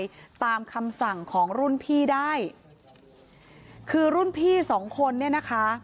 ตามคำสั่งของรุ่นพี่ได้คือรุ่นพี่สองคนเนี่ยนะคะ